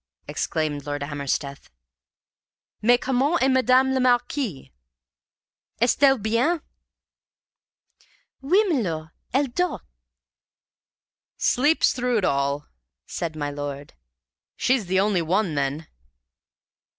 exclaimed Lord Amersteth. "Mais comment est Madame la Marquise? Est elle bien?" "Oui, milor. Elle dort." "Sleeps through it all," said my lord. "She's the only one, then!"